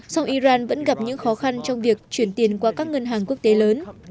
song iran vẫn gặp những khó khăn trong việc chuyển tiền qua các ngân hàng quốc tế lớn